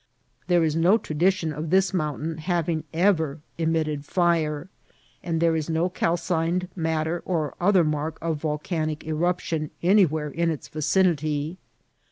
There is no tradition of this mountain having ever emitted fire, and there is no calcined matter or other mark of volcanic eruption anywhere in its vicinity.